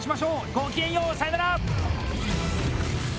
ごきげんよう、さようなら！